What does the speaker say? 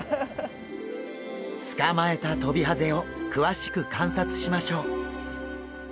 捕まえたトビハゼを詳しく観察しましょう。